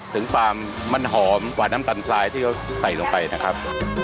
ถึงความมันหอมกว่าน้ำตาลทรายที่เขาใส่ลงไปนะครับ